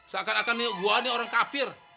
seakan akan gua ini orang kafir